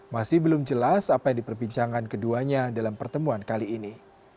masih belum jelas apa yang diperbincangkan keduanya dalam pertemuan kali ini